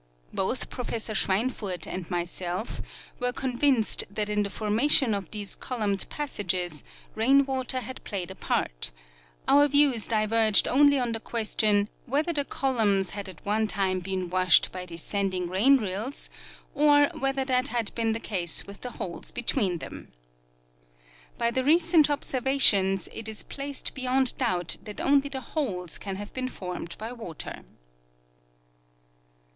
Both Professor Schweinfurth and myself were convinced that in the formation of these columned passages rain water had played a part ; our views diverged only on the ques tion Avhether the columns had at one time been washed by de scending rain rills or whether that had been the case Avith the holes betAveen them. By the recent obserA^ations it is placed beyond doubt that only the holes can have been formed by Avater.